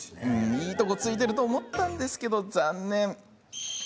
いいとこ突いてると思ったんですけど、残念。